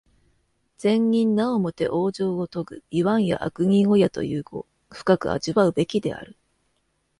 善人なおもて往生をとぐ、いわんや悪人をやという語、深く味わうべきである。